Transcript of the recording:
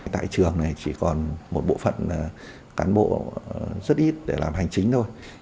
tại trường này chỉ còn một bộ phận cán bộ rất ít để làm hành chính thôi